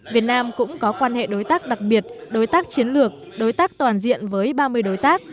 việt nam cũng có quan hệ đối tác đặc biệt đối tác chiến lược đối tác toàn diện với ba mươi đối tác